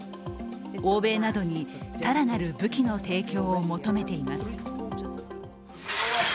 欧米などに更なる武器の提供を求めています。